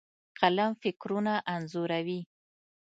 قلم فکرونه انځوروي.